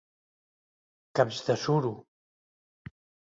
Caps de suro!